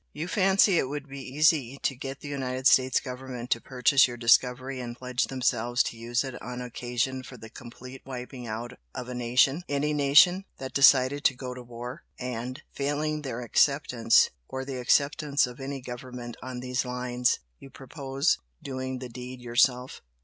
You fancy it would be easy to get the United States Government to purchase your discovery and pledge themselves to use it on occasion for the complete wiping out of a nation, any nation that decided to go to war, and, failing their acceptance, or the acceptance of any government on these lines, you purpose doing the deed yourself.